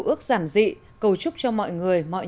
ước giản dị cầu chúc cho mọi người mọi